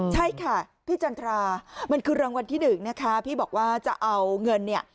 ใช่ค่ะพี่จันทรามันคือรางวัลที่หนึ่งนะคะพี่บอกว่าจะเอาเงินเนี่ย